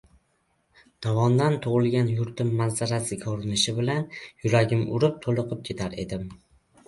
Dovondan tug‘ilgan yurtim manzarasi ko‘rinishi bilan yuragim urib to‘liqib ketar edim.